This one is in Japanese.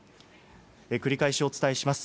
繰り返しお伝えします。